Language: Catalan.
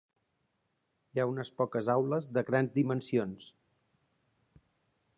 Hi ha unes poques aules de grans dimensions.